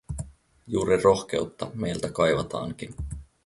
Juuri rohkeutta meiltä kaivataankin.